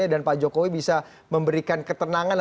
dan pak jokowi bisa memberikan ketenangan